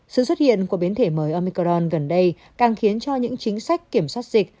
sự xuất hiện của biến thể mới omicron gần đây càng khiến cho những chính sách kiểm soát dịch